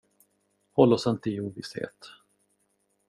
Håll oss inte i ovisshet.